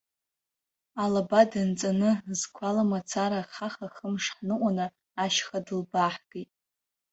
Алаба данҵаны, зқәала мацара хаха-хымш ҳныҟәаны, ашьха дылбааҳгеит.